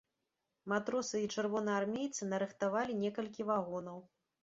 Матросы і чырвонаармейцы нарыхтавалі некалькі вагонаў.